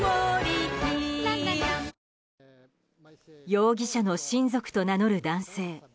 容疑者の親族と名乗る男性。